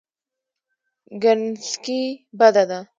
ګنګسي بده ده.